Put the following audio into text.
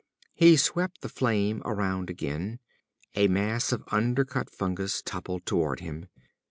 He swept the flame around again. A mass of undercut fungus toppled toward him.